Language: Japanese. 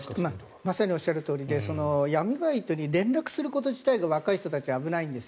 まさにおっしゃるとおりで闇バイトに連絡すること自体が若い人たちは危ないんです。